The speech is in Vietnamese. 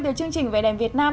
từ chương trình về đèn việt nam